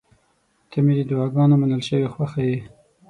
• ته مې د دعاګانو منل شوې خوښه یې.